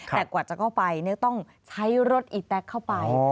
แต่กว่าจะเข้าไปต้องใช้รถอีแต๊กเข้าไป